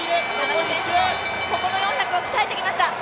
ここの４００を鍛えてきました